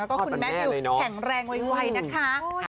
แล้วก็คุณแม่นิวแข็งแรงไวนะคะ